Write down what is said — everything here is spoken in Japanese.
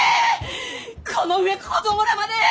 この上子供らまで！